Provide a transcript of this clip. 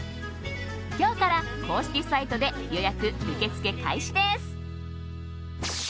今日から公式サイトで予約受け付け開始です。